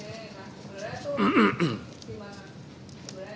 sebenarnya yang terjadi itu seperti apa